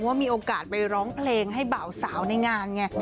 ว่ามีโอกาสไปร้องเพลงให้เบาสาวในงานไง